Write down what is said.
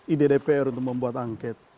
iddpr untuk membuat anget